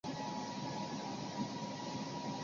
以取代。